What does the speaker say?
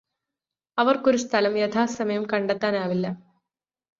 അവര്ക്കൊരു സ്ഥലം യഥാസമയം കണ്ടെത്താനാവില്ല